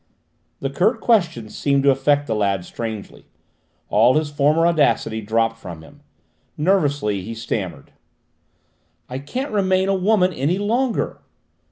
The curt question seemed to affect the lad strangely. All his former audacity dropped from him. Nervously he stammered: "I can't remain a woman any longer!"